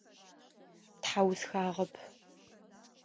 Тхьаусхагъэхэп.